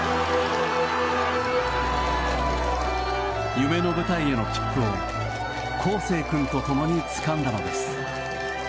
夢の舞台への切符を孝成君と共につかんだのです。